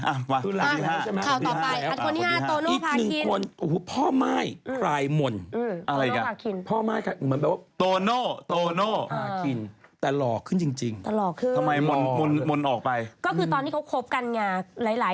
อาไปคนที่ห้า